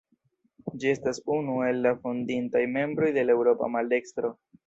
Ĝi estas unu el la fondintaj membroj de la Eŭropa Maldekstro.